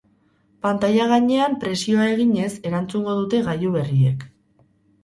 Pantaila gainean presioa eginez erantzungo dute gailu berriek.